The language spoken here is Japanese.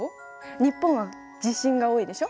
日本は地震が多いでしょ。